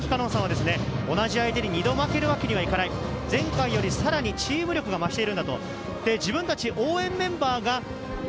３年生のせきさんは同じ相手に２度負けるわけにはいかない、前回よりは、さらにチーム力が増している。